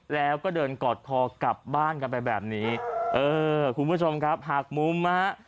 แล้วก็เดินกอดคอกลับบ้านกันไปแบบนี้เออคุณผู้ชมครับหากมุมนะฮะ